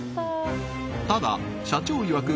ただ社長いわく